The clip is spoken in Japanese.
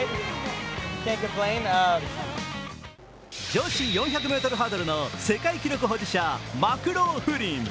女子４００ｍハードルの世界記録保持者、マクローフリン。